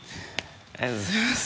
ありがとうございます。